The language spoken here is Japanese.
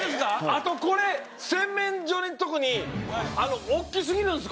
あとこれ洗面所のとこにおっきすぎるんです